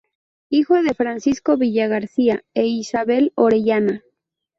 Hijo de Francisco Villagarcía e Isabel Orellana.